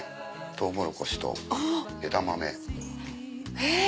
トウモロコシと枝豆。